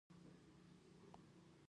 د زیتون باغونه پراخ شوي؟